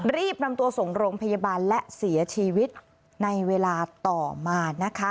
รีบนำตัวส่งโรงพยาบาลและเสียชีวิตในเวลาต่อมานะคะ